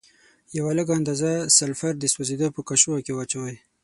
یوه لږه اندازه سلفر د سوځیدو په قاشوغه کې واچوئ.